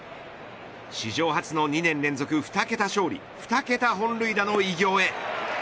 史上初の２年連続２桁勝利２桁本塁打の偉業へ。